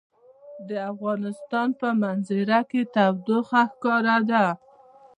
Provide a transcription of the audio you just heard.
د افغانستان په منظره کې تودوخه ښکاره ده.